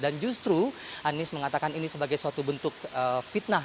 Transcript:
dan justru anies mengatakan ini sebagai suatu bentuk fitnah